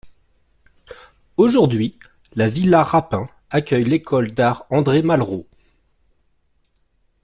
Aujourd'hui, la villa Rapin accueille l'école d'art André-Malraux.